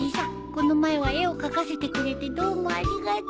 この前は絵を描かせてくれてどうもありがとう。